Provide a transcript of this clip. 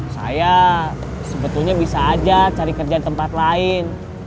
saya sebetulnya bisa aja cari kerja di tempat lain